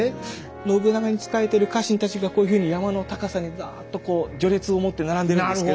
信長に仕えている家臣たちがこういうふうに山の高さにざぁっとこう序列をもって並んでるんですけど。